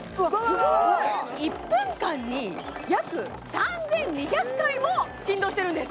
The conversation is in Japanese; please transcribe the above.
すごい！１分間に約３２００回も振動してるんです